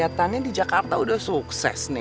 kelihatannya di jakarta udah sukses nih